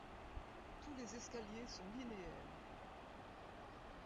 Tous les escaliers sont linéaires.